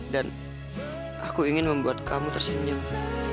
dan aku ingin membuat kamu tersenyum